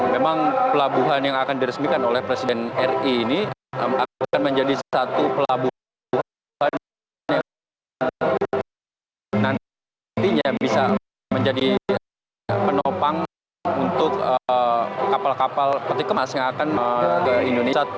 memang pelabuhan yang akan diresmikan oleh presiden ri ini akan menjadi satu pelabuhan yang nantinya yang bisa menjadi penopang untuk kapal kapal peti kemas yang akan ke indonesia